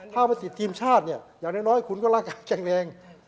ถ้าไม่ติดทีมชาติเนี่ยอย่างน้อยคุณก็ร่างกายแข็งแรง